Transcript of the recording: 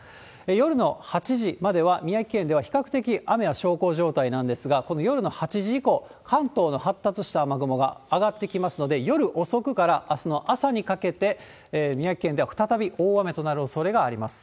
夜の８時までは、宮城県では比較的雨は小康状態なんですが、この夜の８時以降、関東の発達した雨雲が上がってきますので、夜遅くからあすの朝にかけて、宮城県では再び大雨となるおそれがあります。